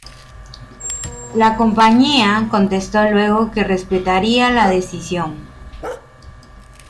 La compañía contestó luego que respetaría la decisión.